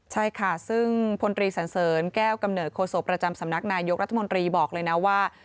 ใช่ค่ะซึ่งพลตรีสันเสริญแก้วกำเนิดโศกประจำสำนักนายกรัฐมนตรีบอกเลยนะว่า